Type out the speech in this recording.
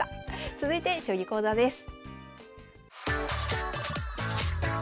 続いて将棋講座です。